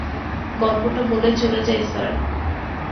গল্পটা বলে চলে যাই স্যার।